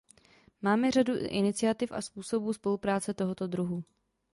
Máme řadu iniciativ a způsobů spolupráce tohoto druhu.